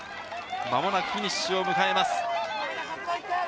まもなくフィニッシュを迎えます。